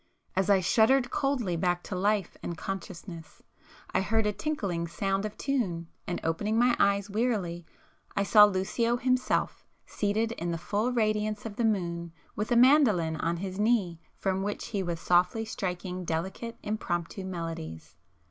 As I shuddered coldly back to life and consciousness, I heard a tinkling sound of tune, and opening my eyes wearily I saw Lucio himself seated in the full radiance of the moon with a mandoline on his knee from [p 377] which he was softly striking delicate impromptu melodies.